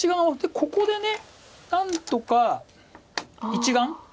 ここで何とか１眼。